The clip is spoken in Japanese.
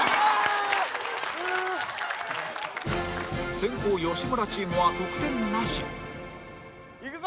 先攻吉村チームは得点なしいくぞ。